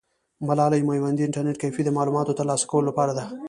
ملالۍ میوندي انټرنیټ کیفې د معلوماتو ترلاسه کولو لپاره ده.